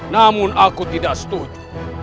namun aku tidak setuju